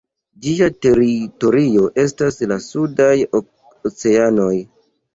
Ĝia teritorio estas la sudaj oceanoj.